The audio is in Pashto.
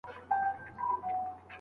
په هر ګام کي پر خیر فکر وکړئ.